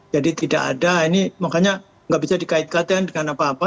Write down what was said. jadi tidak ada makanya ini tidak bisa dikaitkan dengan apa apa